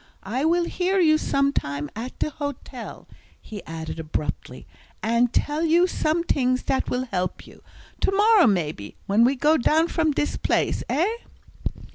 I will hear you sometime at de hotel," he added abruptly, "and tell you some tings dat will help you. To morrow, maybe, when we go down from dis place, eh?"